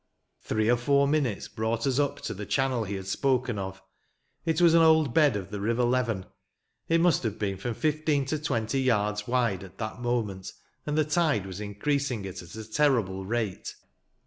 Three or four minutes brought us up to the channel he had spoken of. It was an old bed of the river Leven. It must have been from fifteen to twenty yards wide at that moment, and the tide was increasing it at a terrible rate.